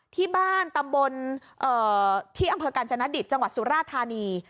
ที่บ้านตำบลที่องค์พอกัญภาลกัญณดิตจังหวัดสุราชธาณี